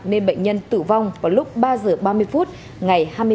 nên bệnh nhân tử vong vào lúc ba h ba mươi phút ngày hai mươi ba